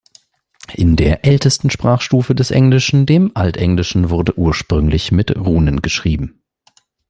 In der ältesten Sprachstufe des Englischen, dem Altenglischen, wurde ursprünglich mit Runen geschrieben.